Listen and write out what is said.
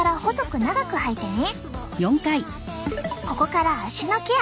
ここから足のケア。